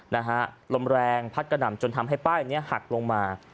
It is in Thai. นะฮะลมแรงพัดกระหน่ำจนทำให้ป้ายนี้หักลงมา